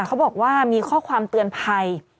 เขาบอกว่ามีข้อความเตือนภัย